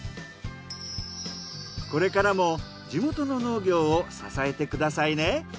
これからも地元の農業を支えてくださいね。